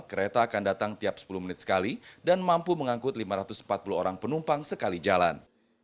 kereta akan datang tiap sepuluh menit sekali dan mampu mengangkut lima ratus empat puluh orang penumpang sekali jalan